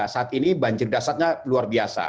saat ini banjir dasarnya luar biasa